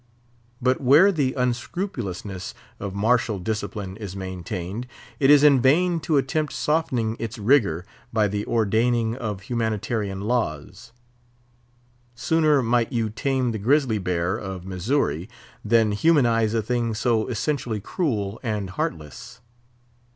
But where the unscrupulousness of martial discipline is maintained, it is in vain to attempt softening its rigour by the ordaining of humanitarian laws. Sooner might you tame the grizzly bear of Missouri than humanise a thing so essentially cruel and heartless.